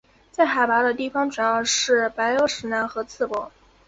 在海拔的地方主要是白欧石楠和刺柏。